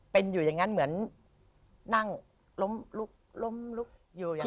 เป็นอยู่อย่างนั้นเหมือนนั่งล้มลุกล้มลุกอยู่อย่าง